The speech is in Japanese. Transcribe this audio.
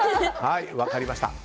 分かりました。